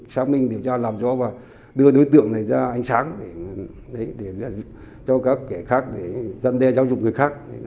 sau các bước điều tra ban đầu công an huyện trùng khánh